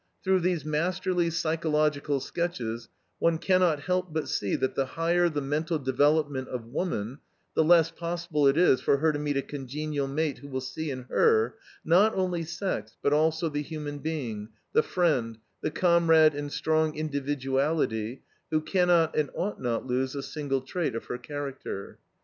Through these masterly psychological sketches, one cannot help but see that the higher the mental development of woman, the less possible it is for her to meet a congenial mate who will see in her, not only sex, but also the human being, the friend, the comrade and strong individuality, who cannot and ought not lose a single trait of her character.